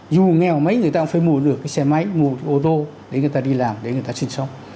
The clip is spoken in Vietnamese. dù nghèo mấy người ta cũng phải mua được cái xe máy mua cái ô tô để người ta đi làm để người ta sinh sống